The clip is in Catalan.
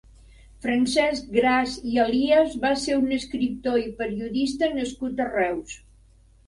Francesc Gras i Elies va ser un escriptor i periodista nascut a Reus.